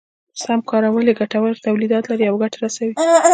سم کارول يې ګټور توليدات لري او ګټه رسوي.